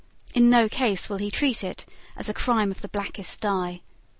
In no case will he treat it as a crime of the blackest dye.